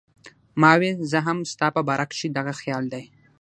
ما وې زما هم ستا پۀ باره کښې دغه خيال دی